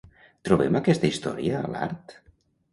Trobem aquesta història a l'art?